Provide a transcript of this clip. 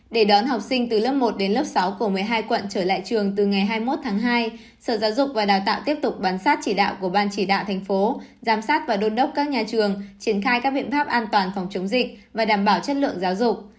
để đón học sinh từ lớp một đến lớp sáu của một mươi hai quận trở lại trường từ ngày hai mươi một tháng hai sở giáo dục và đào tạo tiếp tục bám sát chỉ đạo của ban chỉ đạo thành phố giám sát và đôn đốc các nhà trường triển khai các biện pháp an toàn phòng chống dịch và đảm bảo chất lượng giáo dục